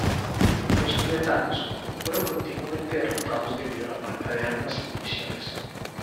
Los tibetanos fueron continuamente derrotados debido a la falta de armas y municiones.